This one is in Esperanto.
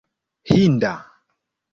hinda